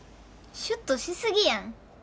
シュッとしすぎやん。